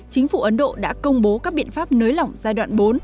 chính phủ ấn độ đã công bố các biện pháp nới lỏng giai đoạn bốn